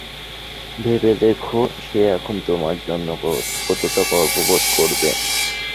ভেবে দেখো সে এখন তোমার জন্য কতটা গর্ববোধ করবে।